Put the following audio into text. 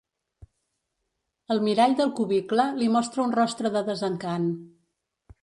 El mirall del cubicle li mostra un rostre de desencant.